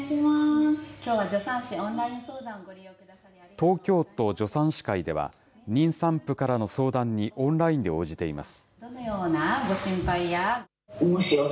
東京都助産師会では妊産婦からの相談にオンラインで応じています。